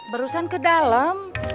barusan ke dalam